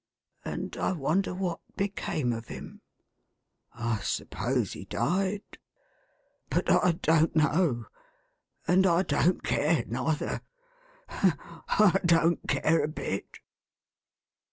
And I wonder what became of him — I suppose he died ? But I don't know. And I don't care, neither ; I don't care a bit."